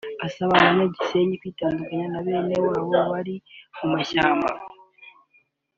asaba Abanya-Gisenyi kwitandukanya na bene wabo bari mu mashyamba